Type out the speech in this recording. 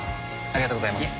ありがとうございます。